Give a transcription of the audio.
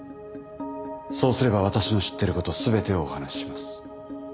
そうすれば私の知ってること全てお話しします。